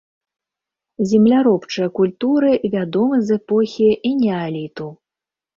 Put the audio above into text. Земляробчыя культуры вядомы з эпохі энеаліту.